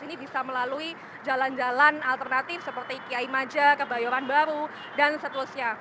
ini bisa melalui jalan jalan alternatif seperti kiai maja kebayoran baru dan seterusnya